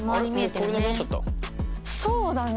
そうだね。